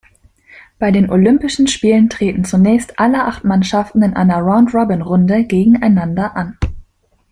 Bei den Olympischen Spielen treten zunächst alle acht Mannschaften in einer Round-Robin-Runde gegeneinander an.